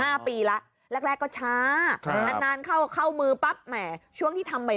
มา๑๕ปีละแรกก็ช้าอันนั้นเข้ามือปั๊บแหมช่วงที่ทำ